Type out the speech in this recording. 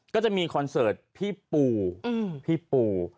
ก็จะมีคอนเสิร์ตพี่ปู